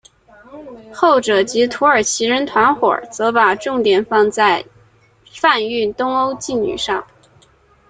后者即土耳其人团伙则把重点放在贩运东欧妓女上。